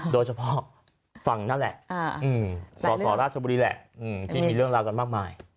โดยเฉพาะฝั่งนั่นแหละสสราชบุรีแหละที่มีเรื่องราวกันมากมาย